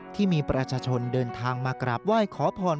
ที่มีประชาชนเดินทางมากราบไหว้ขอพร